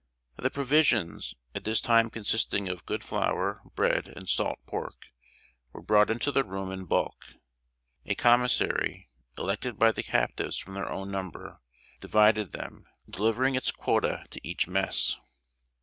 The provisions, at this time consisting of good flour, bread, and salt pork, were brought into the room in bulk. A commissary, elected by the captives from their own number, divided them, delivering its quota to each mess.